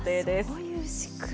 そういう仕組み。